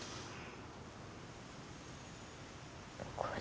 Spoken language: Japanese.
これ。